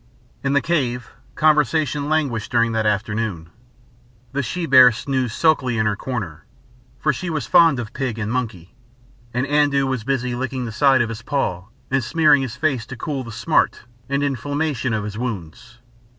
In the cave conversation languished during that afternoon. The she bear snoozed sulkily in her corner for she was fond of pig and monkey and Andoo was busy licking the side of his paw and smearing his face to cool the smart and inflammation of his wounds.